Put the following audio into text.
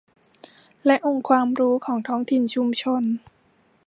และองค์ความรู้ของท้องถิ่นชุมชน